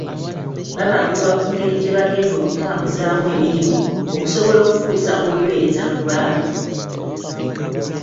Babangulwa ku ngeri gye bagenda okutambuzaamu emirimu, okusobola okutuusa obuweereza ku bantu.